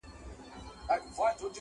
دا د شملو دا د بګړیو وطن؛